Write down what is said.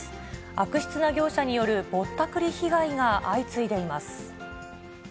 悪質な業者によるぼったくり被害が相次いでいます。